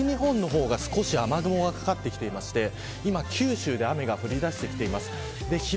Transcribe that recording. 西日本の方が少し雨雲がかかってきていて今九州で雨が降り出してきています。